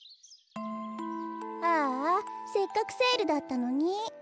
ああせっかくセールだったのに。